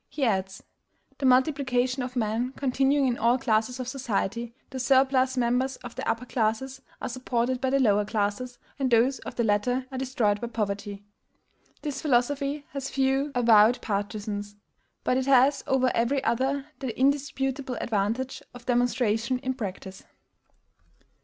He adds: "The multiplication of men continuing in all classes of society, the surplus members of the upper classes are supported by the lower classes, and those of the latter are destroyed by poverty." This philosophy has few avowed partisans; but it has over every other the indisputable advantage of demonstration in practice.